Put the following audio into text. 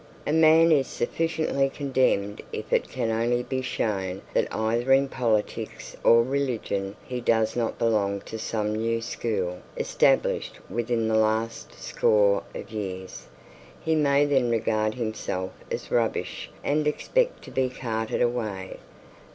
A man is sufficiently condemned if it can only be shown that either in politics or religion he does not belong to some new school established within the last score of years. He may then regard himself as rubbish and expect to be carted away.